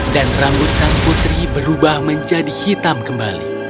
dan rambut sang putri berubah menjadi hitam kembali